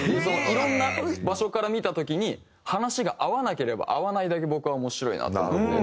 いろんな場所から見た時に話が合わなければ合わないだけ僕は面白いなと思って。